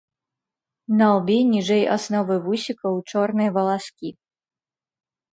На лбе ніжэй асновы вусікаў чорныя валаскі.